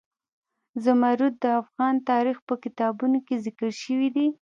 زمرد د افغان تاریخ په کتابونو کې ذکر شوی دي.